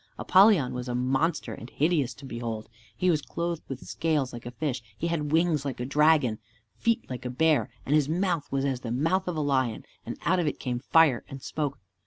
Apollyon was a monster and hideous to behold. He was clothed with scales like a fish, he had wings like a dragon, feet like a bear, and his mouth was as the mouth of a lion, and out of it came fire and smoke.